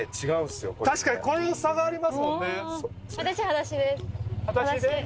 確かにこの差がありますもんね。